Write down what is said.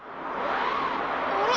あれ？